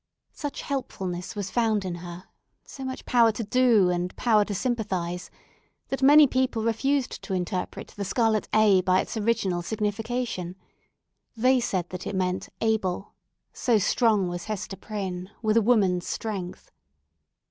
Such helpfulness was found in her—so much power to do, and power to sympathise—that many people refused to interpret the scarlet A by its original signification. They said that it meant Able, so strong was Hester Prynne, with a woman's strength.